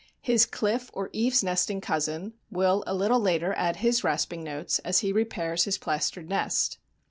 His cliff or eaves nesting cousin will a little later add his rasping notes as he repairs his plastered nest.